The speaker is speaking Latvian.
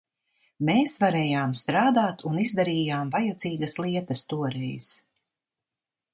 Mēs varējām strādāt un izdarījām vajadzīgas lietas toreiz.